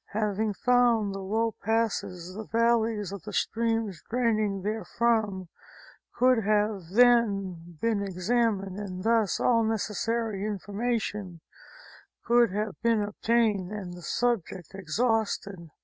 Having found the low passes the valleys of the streams draining there from could have then been examined, and thus all necessary infor mation could have been obtained and the subject exhausted.